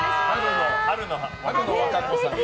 春の和歌子さん。